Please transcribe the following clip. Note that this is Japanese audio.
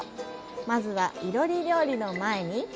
まずは囲炉裏料理の前に？